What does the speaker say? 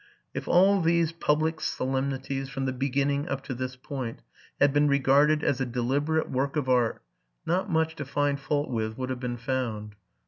If all these public solemnities, from the beginning up to this point, had been regarded as a deliberate work of art. not much to find fault with would have been found.